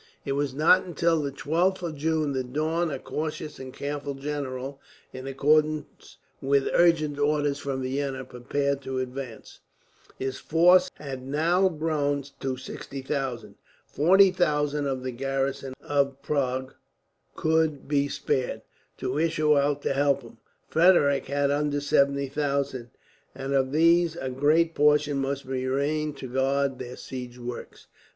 It was not until the 12th of June that Daun, a cautious and careful general, in accordance with urgent orders from Vienna prepared to advance. His force had now grown to 60,000; 40,000 of the garrison of Prague could be spared, to issue out to help him. Frederick had under 70,000, and of these a great portion must remain to guard their siege works.